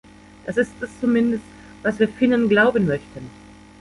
Das ist es zumindest, was wir Finnen glauben möchten.